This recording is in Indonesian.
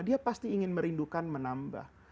dia pasti ingin merindukan menambah